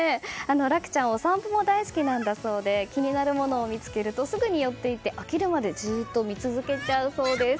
樂ちゃんお散歩も大好きなんだそうで気になるものを見つけるとすぐに寄って行って飽きるまでずっと見続けちゃうそうです。